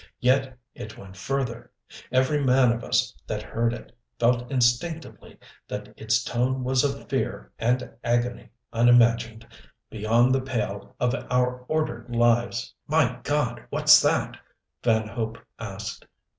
Yet it went further. Every man of us that heard it felt instinctively that its tone was of fear and agony unimagined, beyond the pale of our ordered lives. "My God, what's that?" Van Hope asked.